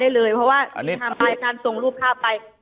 แต่คุณยายจะขอย้ายโรงเรียน